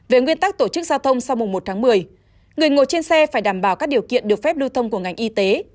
về nguyên tắc tổ chức giao thông sau mùng một tháng một mươi người ngồi trên xe phải đảm bảo các điều kiện được phép lưu thông của ngành y tế